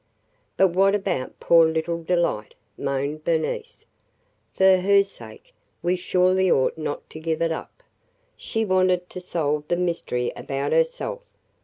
"But what about poor little Delight?" moaned Bernice. "For her sake, we surely ought not to give it up! She wanted to solve the mystery about herself.